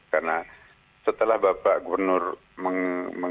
karena setelah bapak gubernur meng